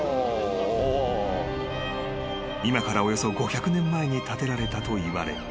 ［今からおよそ５００年前に建てられたといわれ］